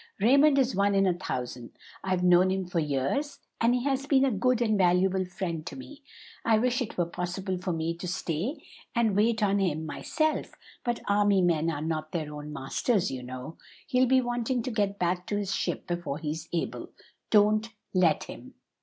"Raymond is one in a thousand. I've known him for years, and he has been a good and valuable friend to me. I wish it were possible for me to stay and wait on him myself; but army men are not their own masters, you know. He'll be wanting to get back to his ship before he's able. Don't let him."